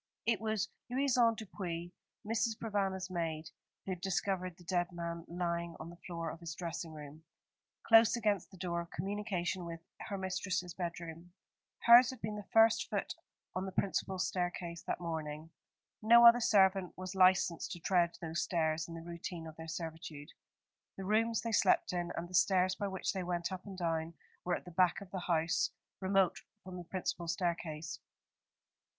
It was Louison Dupuis, Mrs. Provana's maid, who had discovered the dead man lying on the floor of his dressing room, close against the door of communication with her mistress's bedroom. Hers had been the first foot on the principal staircase that morning. No other servant was licensed to tread those stairs in the routine of their servitude. The rooms they slept in, and the stairs by which they went up and down, were at the back of the house, remote from the principal staircase.